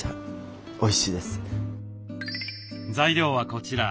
材料はこちら。